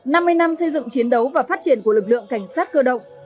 năm mươi năm xây dựng chiến đấu và phát triển của lực lượng cảnh sát cơ động